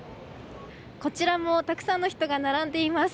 こちらもたくさんの人が並んでいます。